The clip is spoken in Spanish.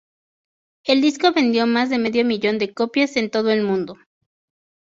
El disco vendió más de medio millón de copias en todo el mundo.